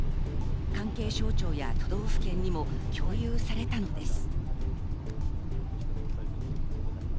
関係省庁や都道府県にも共有されたのです。